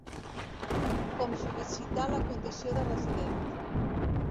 Com sol·licitar la condició de resident.